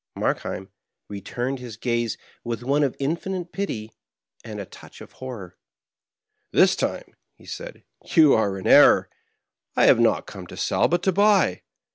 Markheim returned his gaze with one of infinite pity, and a touch of horror. "This time," said he, "you are in error. I have not come to sell, but to buy.